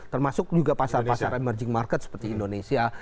termasuk juga pasar pasar emerging market seperti indonesia